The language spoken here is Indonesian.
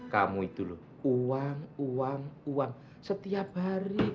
kamu itu loh uang uang setiap hari